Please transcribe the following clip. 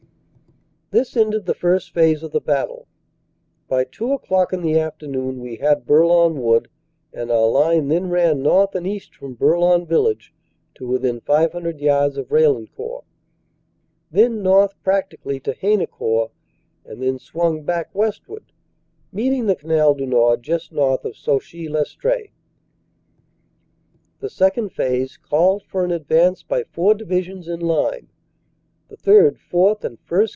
"This ended the First Phase of the battle. By two o clock in the afternoon, we had Bourlon Wood, and our line then ran north and east from Bourlon village to within 500 yards of Raillencourt, then north practically to Haynecourt, and then swung back westward, meeting the Canal du Nord just north of Sauchy Lestree. "The Second Phase called for an advance by four Divisions in line, the 3rd., 4th. and 1st.